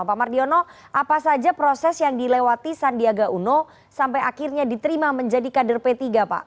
pak mardiono apa saja proses yang dilewati sandiaga uno sampai akhirnya diterima menjadi kader p tiga pak